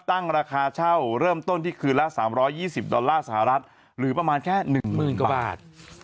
ตั้งราคาเช่าเริ่มต้นที่คืนละ๓๒๐ดอลลาร์สหรัฐหรือประมาณแค่๑๐๐๐กว่าบาท